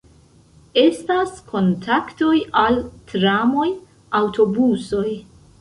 Estas kontaktoj al tramoj, aŭtobusoj.